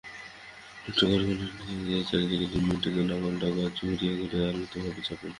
চোখের কোটরের চারদিকে দুই মিনিটের জন্য আঙুলের ডগা ঘুরিয়ে ঘুরিয়ে আলতোভাবে চাপুন।